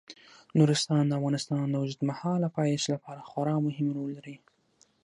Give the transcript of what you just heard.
نورستان د افغانستان د اوږدمهاله پایښت لپاره خورا مهم رول لري.